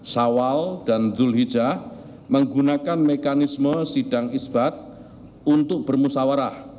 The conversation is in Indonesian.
sawal dan dhul hijjah menggunakan mekanisme sidang itibat untuk bermusawarah